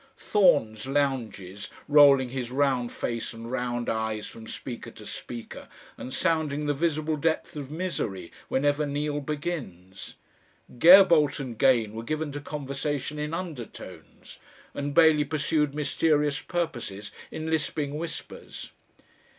Thorns lounges, rolling his round face and round eyes from speaker to speaker and sounding the visible depths of misery whenever Neal begins. Gerbault and Gane were given to conversation in undertones, and Bailey pursued mysterious purposes in lisping whispers.